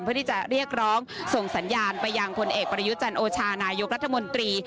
เพื่อที่จะเรียกร้องส่งสัญญาณไปยังพลเอกประยุจันโอชานายกรัฐมนตรี